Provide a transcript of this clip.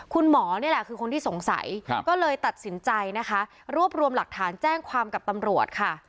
คุณหมอนี่แหละคือคนที่สงสัยก็เลยตัดสินใจนะคะรวบรวมหลักฐานแจ้งความกับตำรวจค่ะ